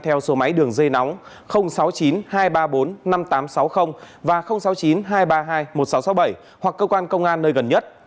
theo số máy đường dây nóng sáu mươi chín hai trăm ba mươi bốn năm nghìn tám trăm sáu mươi và sáu mươi chín hai trăm ba mươi hai một nghìn sáu trăm sáu mươi bảy hoặc cơ quan công an nơi gần nhất